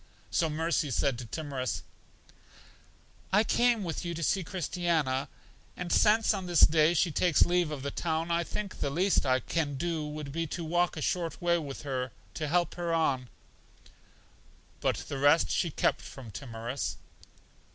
So Mercy said to Timorous: I came with you to see Christiana, and since on this day she takes leave of the town, I think the least I can do would be to walk a short way with her to help her on. But the rest she kept from Timorous.